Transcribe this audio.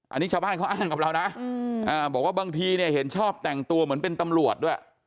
อันนี้ชาวบ้านเขาอ้างกับเรานะบอกว่าบางทีเนี่ยเห็นชอบแต่งตัวเหมือนเป็นตำรวจด้วย